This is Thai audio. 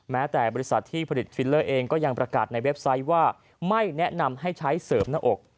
แม้แต่บริษัทที่ผลิตฟิลเลอร์เองก็ยังประกาศในเว็บไซต์ว่าไม่แนะนำให้ใช้เสริมหน้าอก